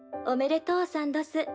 「おめでとうさんどす」。